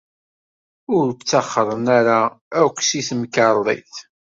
Ur ttaxren ara akk seg temkarḍit.